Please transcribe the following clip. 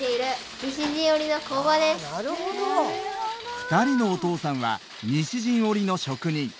２人のお父さんは西陣織の職人。